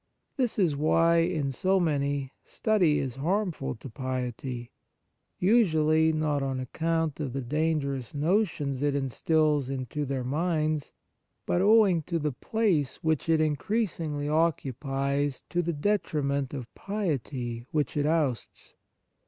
This is why, in so many, study is harmful to piety; usually, not on account of the dangerous notions it instils into their minds, but owing to the place which it increasingly oc cupies to the detriment of piety, which it ousts.